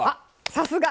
さすが！